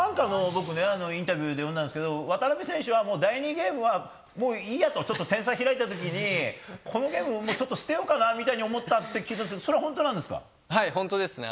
インタビューで読んだんですが渡辺選手は第２ゲームはもういいやと点差が開いたときにこのゲームちょっと捨てようかなみたいに思ったって聞いたんですけどそれは本当なんですか？